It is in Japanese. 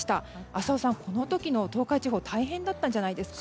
浅尾さん、この時の東海地方大変だったんじゃないですか？